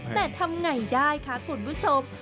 แต่ทำอย่างไรได้คะคุณผู้ชม